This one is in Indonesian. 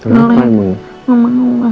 malah mama enggak suka